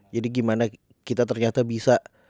jadi gimana kita ternyata bisa